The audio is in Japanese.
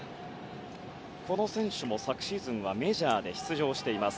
この選手も昨シーズンはメジャーで出場しています。